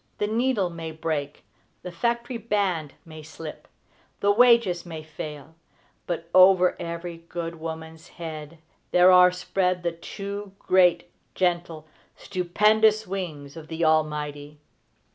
The needle may break; the factory band may slip; the wages may fail; but, over every good woman's head there are spread the two great, gentle, stupendous wings of the Almighty.